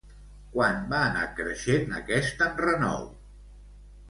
Quan va anar creixent aquest enrenou?